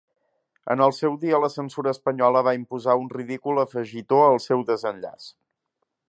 En el seu dia, la censura espanyola va imposar un ridícul afegitó al seu desenllaç.